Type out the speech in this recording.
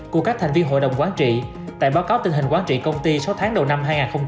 của các thành viên hội đồng quán trị tại báo cáo tình hình quán trị công ty sáu tháng đầu năm hai nghìn hai mươi ba